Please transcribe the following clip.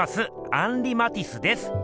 アンリ・マティスです。